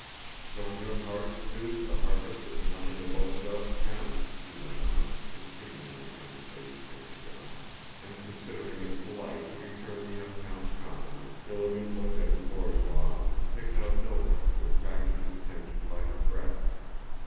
"So in your parts, too, the harvest is nothing to boast of, Count?" he went on, continuing the conversation they had begun. And considering it polite to return the young count's compliment, Ilágin looked at his borzois and picked out Mílka who attracted his attention by her breadth.